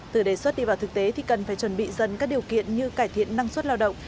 từ đề xuất đi vào thực tế thì cần phải chuẩn bị dần các điều kiện như cải thiện năng suất lao động